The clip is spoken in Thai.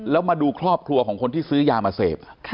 แล้วมาดูครอบครัวของคนที่ซื้อยามาเสพ